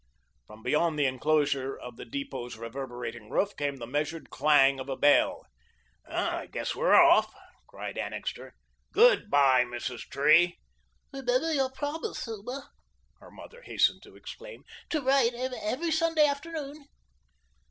From beyond the enclosure of the depot's reverberating roof came the measured clang of a bell. "I guess we're off," cried Annixter. "Good bye, Mrs. Tree." "Remember your promise, Hilma," her mother hastened to exclaim, "to write every Sunday afternoon."